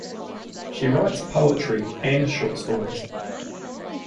She writes poetry and short stories.